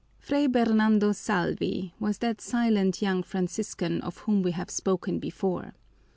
Fray Bernardo Salvi was that silent young Franciscan of whom we have spoken before.